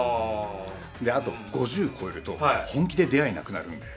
あと、５０を超えると本気で出会いなくなるんで。